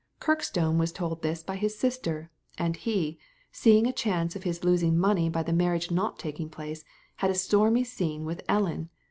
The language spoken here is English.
Kirkstone was told this by his sister, and he, seeing a chance of his losing money by the marriage not taking place, had a stormy scene with Ellen.